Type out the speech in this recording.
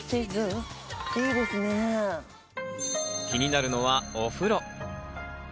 気になるのは、お風呂。